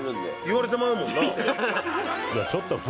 「言われてまうもんな」